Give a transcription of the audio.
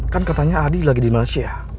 kan katanya adi lagi di malaysia